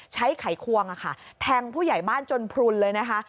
ไขควงแทงผู้ใหญ่บ้านจนพลุนเลยนะคะ